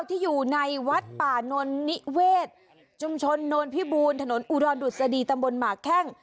ที่อยู่ในวัดป่านนนิเวศชุมชนนวลพิบูลถนนอุดรดุษฎีตำบลหมากแข้ง